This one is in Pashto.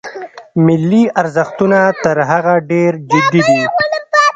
ملي ارزښتونه تر هغه ډېر جدي دي.